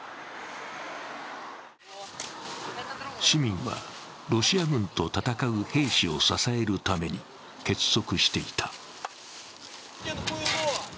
市民はロシア軍と戦う兵士を支えるために結束していた。